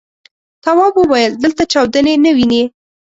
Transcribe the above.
تواب وويل: دلته چاودنې نه وینې.